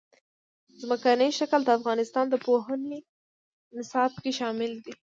ځمکنی شکل د افغانستان د پوهنې نصاب کې شامل دي.